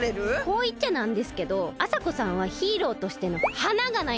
こういっちゃなんですけどあさこさんはヒーローとしての華がないんですよね。